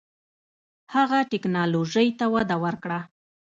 هغه ټیکنالوژۍ ته وده ورکړه.